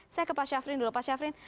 saya ke pak syafrin dulu pak syafrin